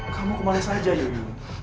kamu kembali saja yuyun